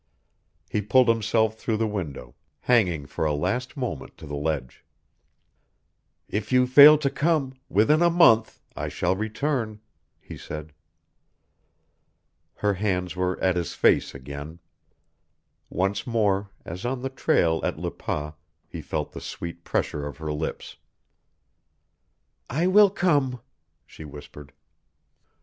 He pulled himself through the window, hanging for a last moment to the ledge. "If you fail to come within a month I shall return," he said. Her hands were at his face again. Once more, as on the trail at Le Pas, he felt the sweet pressure of her lips. "I will come," she whispered.